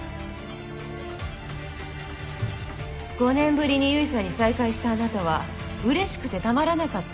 ５年ぶりに結衣さんに再会したあなたは嬉しくてたまらなかった。